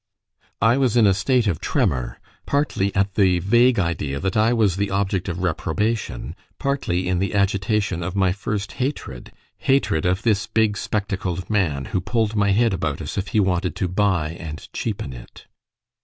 I was in a state of tremor, partly at the vague idea that I was the object of reprobation, partly in the agitation of my first hatred hatred of this big, spectacled man, who pulled my head about as if he wanted to buy and cheapen it.